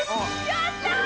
やったー！